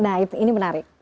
nah ini menarik